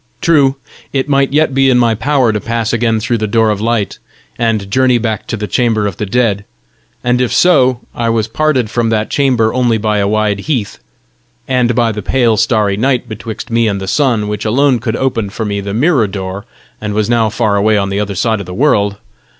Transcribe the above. True, it might yet be in my power to pass again through the door of light, and journey back to the chamber of the dead; and if so, I was parted from that chamber only by a wide heath, and by the pale, starry night betwixt me and the sun, which alone could open for me the mirror door, and was now far away on the other side of the world!